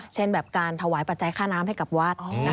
เช่นแบบการถวายปัจจัยค่าน้ำให้กับวัด